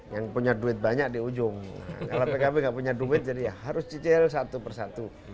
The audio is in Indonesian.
yang punya duit banyak di ujung kalau pkb nggak punya duit jadi ya harus cicil satu persatu